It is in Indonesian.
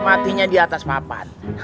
matinya diatas papan